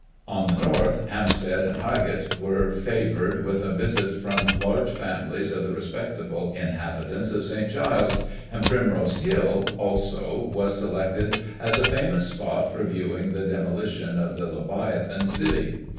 On the north, Hampstead Digiti ized by Google i84 GOSSIP. [1842 and Highgate were favoured with a visit from large bodies of the respectable inhabitants of St. Giles's; and Primrose Hill, also, was selected as a famous spot for viewing the demolition of the leviathan city.